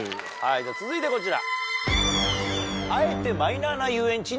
続いてこちら。